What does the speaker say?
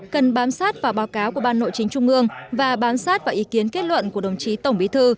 cần bám sát vào báo cáo của ban nội chính trung ương và bám sát vào ý kiến kết luận của đồng chí tổng bí thư